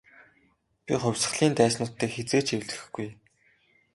Би хувьсгалын дайснуудтай хэзээ ч эвлэрэхгүй.